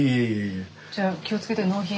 じゃあ気をつけて納品。